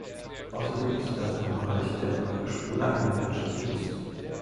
Außerdem ist das ein Bereich, der praktisch ohne eigene Wertschöpfung ist.